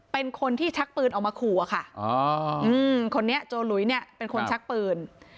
เป็นคนที่ชักปืนออกมาครัวค่ะโจรหลุยเป็นคนชักปืน